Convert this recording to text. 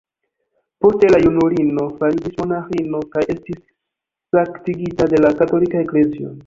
Poste la junulino fariĝis monaĥino kaj estis sanktigita de la katolika Eklezio.